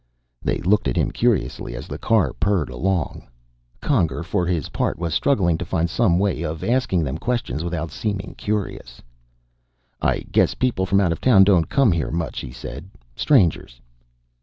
They looked at him curiously as the car purred along. Conger for his part was struggling to find some way of asking them questions without seeming curious. "I guess people from out of town don't come here much," he said. "Strangers."